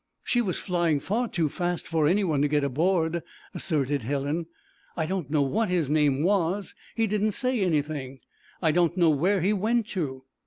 'She was flying far too fast for any one to get aboard,' asserted Helen. 'I don't know what his name was; he didn't say anything; I don't know where he went to.'